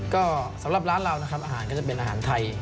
ก็สำหรับร้านเรานะครับอาหารก็จะเป็นอาหารไทย